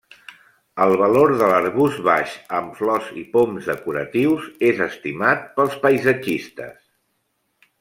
El valor de l'arbust baix amb flors i poms decoratius és estimat pels paisatgistes.